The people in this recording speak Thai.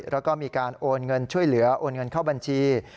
แล้วก็มีการโอนเงินช่วยเหลือโอนเงินเข้าบัญชี